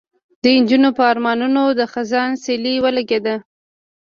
د نجونو په ارمانونو د خزان سیلۍ ولګېده